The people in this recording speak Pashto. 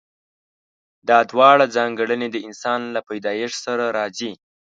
دا دواړه ځانګړنې د انسان له پيدايښت سره راځي.